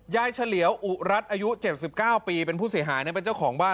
ยายฉะเหลียวอุรัตอายุเจ็บสิบเก้าปีเป็นผู้เสียหายนั่นเป็นเจ้าของบ้าน